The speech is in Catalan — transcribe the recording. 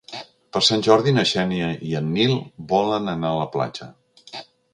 Per Sant Jordi na Xènia i en Nil volen anar a la platja.